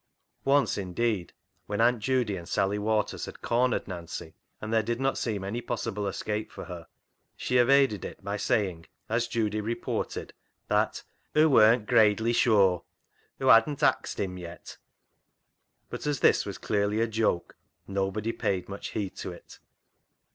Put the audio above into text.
Once, indeed, when Aunt Judy and Sally Walters had cornered Nancy, and there did not seem any possible escape for her, she evaded it by saying, as Judy reported, that " Hoo worn't gradely sure ; hoo hadn't axed him yet," but as this was clearly a joke nobody paid much heed to it.